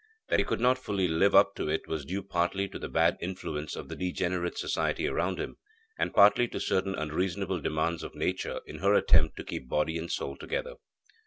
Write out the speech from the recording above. That he could not fully live up to it was due partly to the bad influence of the degenerate society around him, and partly to certain unreasonable demands of Nature in her attempt to keep body and soul together.